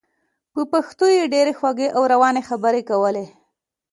په پښتو یې ډېرې خوږې او روانې خبرې کولې.